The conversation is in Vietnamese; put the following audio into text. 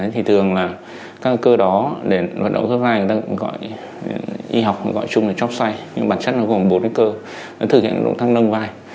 thì thường là các cơ đó để hoạt động khớp vai y học gọi chung là chóp xoay nhưng bản chất nó gồm bốn cái cơ nó thực hiện động thăng nâng vai